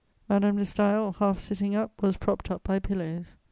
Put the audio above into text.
Madame de Staël, half sitting up, was propped up by pillows.